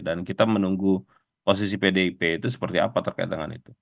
dan kita menunggu posisi pdip itu seperti apa terkait dengan itu